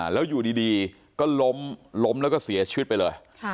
แล้วอยู่ดีก็ล้มล้มแล้วก็เสียชีวิตไปเลย